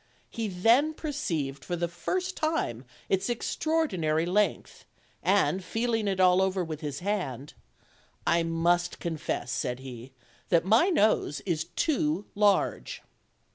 He then perceived for the first time its extraordinary length, and feeling all over it with his hand: "I must confess," said he, "that my nose is too large."